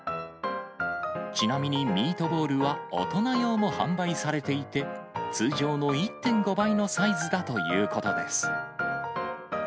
ちなみに、ミートボールは大人用も販売されていて、通常の１．５倍のサイズだということです。